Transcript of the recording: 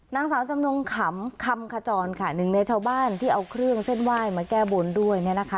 นางสาวจำนงขำคำขจรค่ะหนึ่งในชาวบ้านที่เอาเครื่องเส้นไหว้มาแก้บนด้วยเนี่ยนะคะ